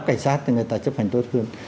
cảnh sát thì người ta chấp hành tốt hơn